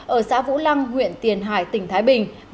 ở xã vũ lăng huyện tiền hải tỉnh thái bình